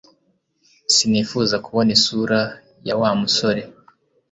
Sinifuzaga kubona isura ya Wa musore